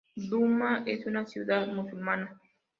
Duma es una ciudad musulmana.